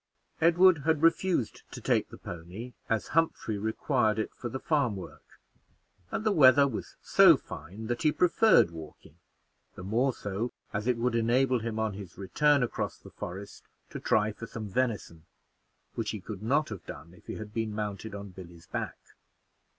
Edward had refused to take the pony, as Humphrey required it for the farm work, and the weather was so fine that he preferred walking; the more so, as it would enable him on his return across the forest to try for some venison, which he could not have done if he had been mounted on Billy's back.